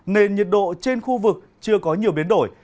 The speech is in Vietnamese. nền nhiệt độ trên khu vực chưa có nhiều biến đổi